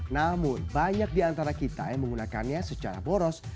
namun banyak di antara kita yang menggunakannya secara boros